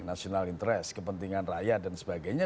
national interest kepentingan rakyat dan sebagainya